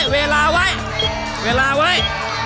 เวลาไว้